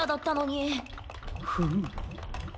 フム。